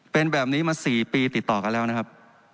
เป็นแบบนี้มา๔ปีติดต่อกันแล้วนะครับ